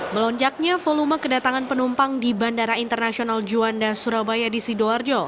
melonjaknya volume kedatangan penumpang di bandara internasional juanda surabaya di sidoarjo